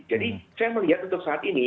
jadi saya melihat untuk saat ini